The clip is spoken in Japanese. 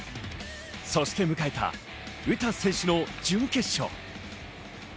そして迎えた詩選手の準決勝。